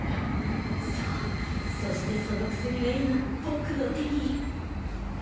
現在そうそしてその薬が今僕の手に